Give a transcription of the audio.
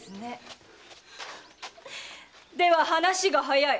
では話が早い。